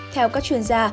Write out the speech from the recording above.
theo các chuyên gia